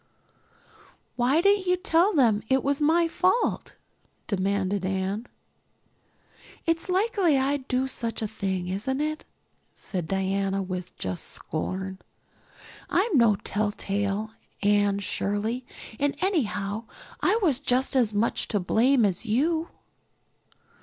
"Why didn't you tell them it was my fault?" demanded Anne. "It's likely I'd do such a thing, isn't it?" said Diana with just scorn. "I'm no telltale, Anne Shirley, and anyhow I was just as much to blame as you."